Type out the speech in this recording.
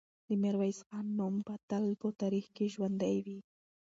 د میرویس خان نوم به تل په تاریخ کې ژوندی وي.